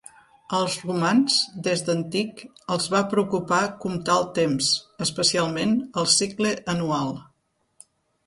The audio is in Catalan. Als romans, des d'antic, els va preocupar comptar el temps, especialment el cicle anual.